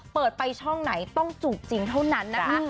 เปิดไปช่องไหนต้องจุกจริงเท่านั้นนะคะ